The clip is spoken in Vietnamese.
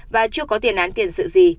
và chưa có tiền án tiền sự gì